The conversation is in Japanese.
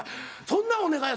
そんなお願い